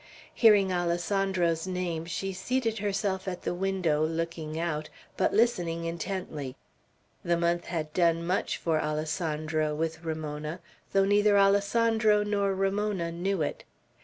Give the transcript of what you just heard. Hearing Alessandro's name she seated herself at the window, looking out, but listening intently. The month had done much for Alessandro with Ramona, though neither Alessandro nor Ramona knew it.